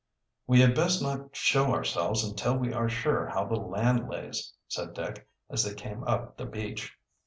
"We had best not show ourselves until we are sure how the land lays," said Dick, as they came up the beach.